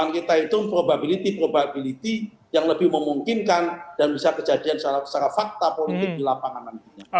kita itu probability probability yang lebih memungkinkan dan bisa kejadian secara fakta politik di lapangan nantinya